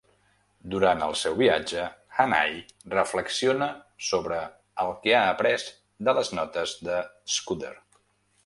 Durant el seu viatge, Hannay reflexiona sobre el que ha après de les notes de Scudder.